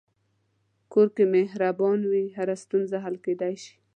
کور که مهربان وي، هره ستونزه حل کېدلی شي.